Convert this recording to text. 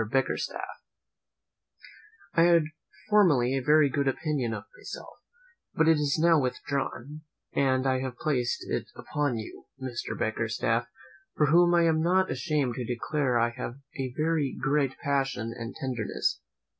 BICKERSTAFF, "I had formerly a very good opinion of myself; but it is now withdrawn, and I have placed it upon you, Mr. Bickerstaff, for whom I am not ashamed to declare I have a very great passion and tenderness.